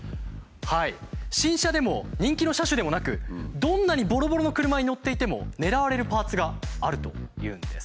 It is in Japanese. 新車でも人気の車種でもなくどんなにボロボロの車に乗っていても狙われるパーツがあるというんです。